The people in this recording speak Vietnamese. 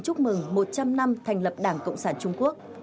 chúc mừng một trăm linh năm thành lập đảng cộng sản trung quốc